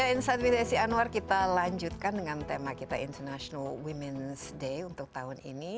insight with desi anwar kita lanjutkan dengan tema kita international women's day untuk tahun ini